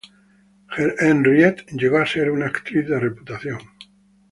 Henriette llegó a ser una actriz de reputación.